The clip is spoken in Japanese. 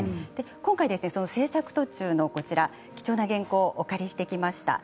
今回その制作途中の貴重な原稿をお借りしてきました。